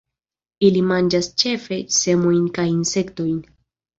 Ili manĝas ĉefe semojn kaj insektojn.